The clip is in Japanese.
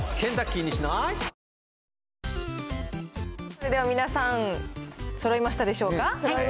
それでは皆さん、そろいましたでしょうか。